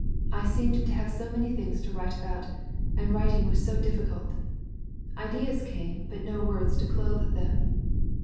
I seemed to have so many things to write about, and writing was so difficult Ideas came, but no words to clothe them.